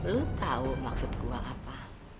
lu tahu maksud gue apa